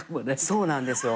そうなんですよ。